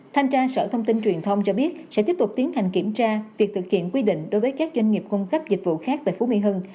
thanh tra sở thông tin truyền thông cho biết sẽ tiếp tục tiến hành kiểm tra việc thực hiện quy định đối với các doanh nghiệp cung cấp dịch vụ khác tại phú mỹ hưng